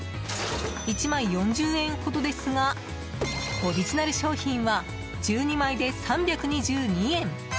１枚、４０円ほどですがオリジナル商品は１２枚で３２２円。